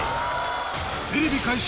テレビ開始